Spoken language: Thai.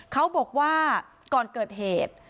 เขาบอกว่าก่อนเกิดเหตุ